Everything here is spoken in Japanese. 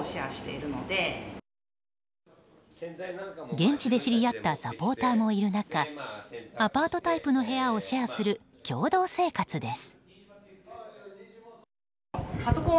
現地で知り合ったサポーターもいる中アパートタイプの部屋をシェアする共同生活です。